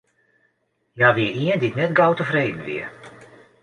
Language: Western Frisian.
Hja wie ien dy't net gau tefreden wie.